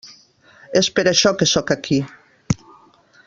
És per això que sóc aquí.